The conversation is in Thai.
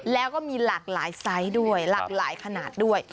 แล้วก็มีหลากหลายไซส์ด้วยหลากหลายขนาดด้วย